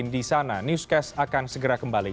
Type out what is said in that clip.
di sana newscast akan segera kembali